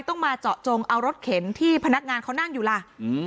ต้องมาเจาะจงเอารถเข็นที่พนักงานเขานั่งอยู่ล่ะอืม